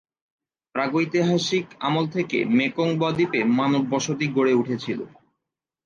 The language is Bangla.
প্রাগৈতিহাসিক আমল থেকে মেকং ব-দ্বীপে মানব বসতি গড়ে উঠেছিল।